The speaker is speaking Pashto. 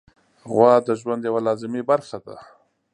غوا د ژوند یوه لازمي برخه ده.